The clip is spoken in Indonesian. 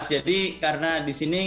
jadi karena di sini